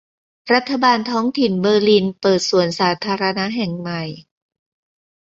รัฐบาลท้องถิ่นเบอร์ลิน เปิดสวนสาธารณะแห่งใหม่